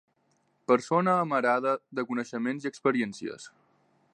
Persona amarada de coneixements i experiències.